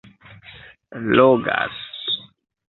logas